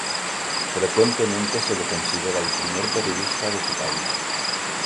Frecuentemente se le considera el primer periodista de su país.